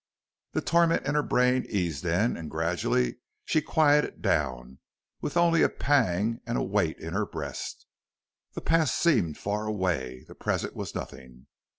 The torment in her brain eased then, and gradually she quieted down, with only a pang and a weight in her breast. The past seemed far away. The present was nothing.